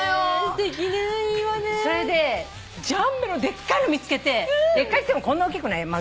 それでジャンベのでっかいの見つけてでっかいっつってもこんなおっきくない。